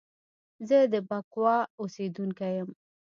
زه د بکواه اوسیدونکی یم